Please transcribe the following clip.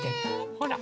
ほら！